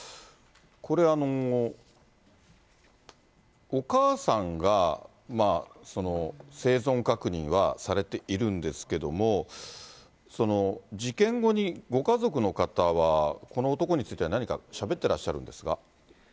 これ、お母さんが、生存確認はされているんですけれども、事件後にご家族の方は、この男については何かしゃべってらっしゃるんですか。